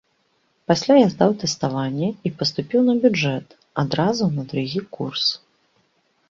Пасля я здаў тэставанне і паступіў на бюджэт, адразу на другі курс.